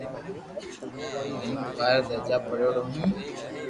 ھون ٻارآ درجہ پڙھيڙو ھون